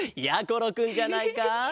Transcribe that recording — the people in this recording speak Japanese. ころくんじゃないか。